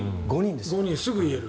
５人すぐ言える。